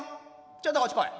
ちょっとこっち来い。